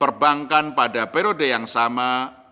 perbankan pada periode yang sama